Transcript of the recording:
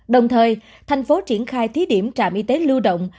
đồng thời thành phố triển khai thí điểm trạm y tế lưu động